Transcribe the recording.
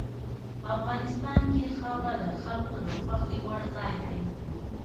افغانستان کې خاوره د خلکو د خوښې وړ ځای دی.